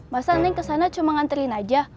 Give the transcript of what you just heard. masa neng kesana cuma nganterin aja